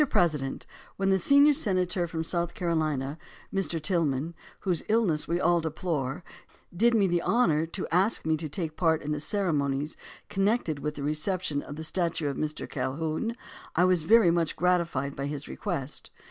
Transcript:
President, when the senior senator from South Carolina (Mr. Tillman), whose illness we all deplore, did me the honor to ask me to take part in the cere monies connected with the reception of the statue of Mr. Calhoun, I was very much gratified by his request.